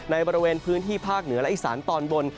ในบริเวณพื้นที่ภาคเหนือและอีสานตอนบน